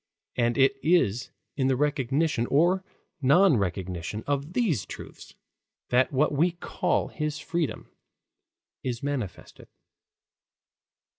And it is in the recognition or non recognition of these truths that what we call his freedom is manifested.